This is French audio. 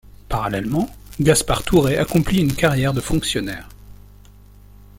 Parallèlement, Gaspard Tourret accomplit une carrière de fonctionnaire.